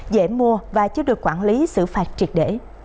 dễ mua và chưa được quản lý sự phát triển